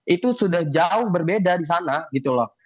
itu sudah jauh berbeda di sana gitu loh